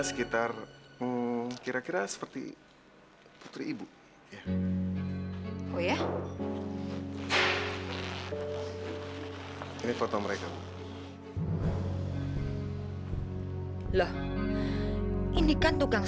sampai jumpa di video selanjutnya